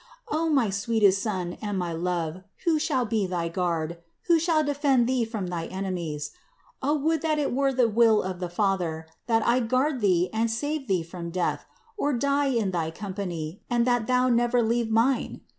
O my sweetest Son and my love, who shall be thy guard, who shall defend Thee from thy enemies? O would that it were the will of the Father, that I guard Thee and save Thee from death, or die in thy company, and that Thou never leave mine!